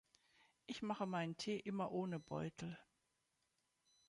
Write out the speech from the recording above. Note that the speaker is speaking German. Ich mache meinen Tee immer ohne Beutel.